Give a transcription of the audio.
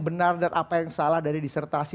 benar dan apa yang salah dari disertasi